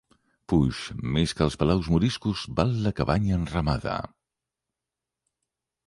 Puix més que els palaus moriscos, val la cabanya enramada.